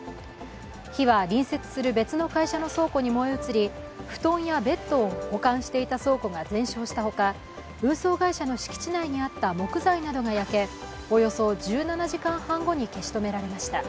火は隣接する別の会社の倉庫に燃え移り布団やベッドを保管していた倉庫が全焼した他、運送会社の敷地内にあった木材などが焼けおよそ１７時間半後に消し止められました。